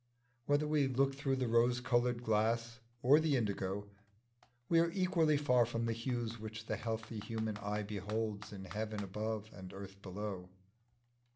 Whether we look through the rose coloured glass or the indigo, we are equally far from the hues which the healthy human eye beholds in heaven above and earth below.